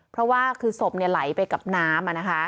เพราะว่าคือศพไหลไปกับน้ำ